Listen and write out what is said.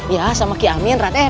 ya sama ki amin rat